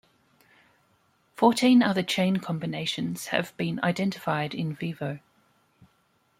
Fourteen other chain combinations have been identified in vivo.